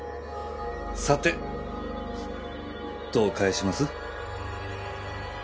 さてどう返します？